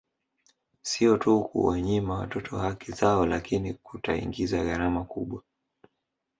Sio tu kunawanyima watoto haki zao lakini kutaingiza gharama kubwa